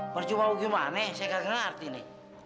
percuma gimana saya nggak dengar arti nek